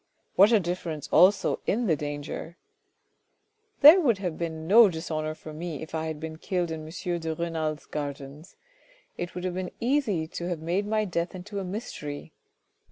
What a difference also in the danger !" "There would have been no dishonour for me if I had been killed in M. de Renal's gardens. It would have been easy to have made my death into a mystery.